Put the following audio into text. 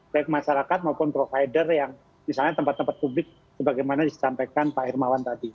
baik masyarakat maupun provider yang misalnya tempat tempat publik sebagaimana disampaikan pak hermawan tadi